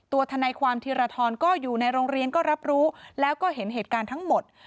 ทนายความธีรทรก็อยู่ในโรงเรียนก็รับรู้แล้วก็เห็นเหตุการณ์ทั้งหมด